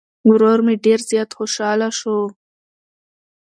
ورور مې ډير زيات خوشحاله شو